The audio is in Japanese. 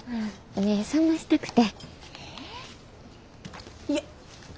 目ぇ覚ましたくて。